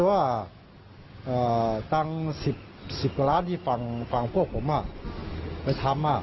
๑๐กว่าล้านนี่ฝั่งฝั่งพวกผมอ่ะไปทำอ่ะ